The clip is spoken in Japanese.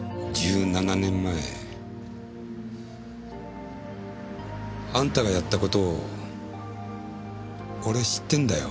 １７年前あんたがやったことを俺知ってるんだよ。